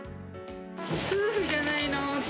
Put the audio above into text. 夫婦じゃないのって。